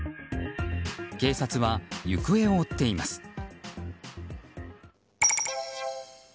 警察は行方を追っています。